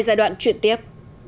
giai đoạn chuyển tiếp